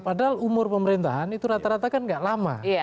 padahal umur pemerintahan itu rata rata kan gak lama